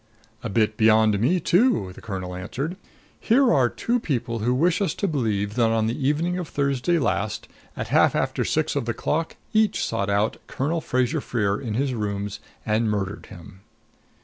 "A bit beyond me, too," the colonel answered. "Here are two people who wish us to believe that on the evening of Thursday last, at half after six of the clock, each sought out Captain Fraser Freer in his rooms and murdered him."